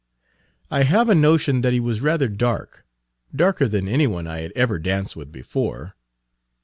"I have a notion that he was rather dark darker than any one I had ever danced with before."